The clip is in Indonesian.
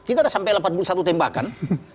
kita ada sampai delapan puluh satu tembakan